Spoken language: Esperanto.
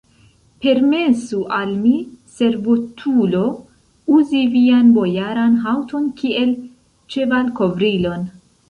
Permesu al mi, servutulo, uzi vian bojaran haŭton kiel ĉevalkovrilon!